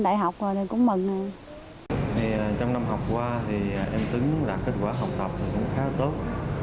trong năm học qua thì em tuấn đạt kết quả học tập cũng khá là tốt